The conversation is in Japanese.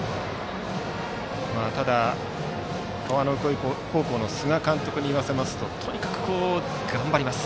ただ、川之江高校の菅監督に言わせますととにかくがんばります